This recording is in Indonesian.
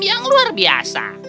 yang luar biasa